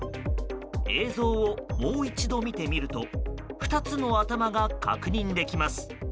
映像をもう一度見てみると２つの頭が確認できます。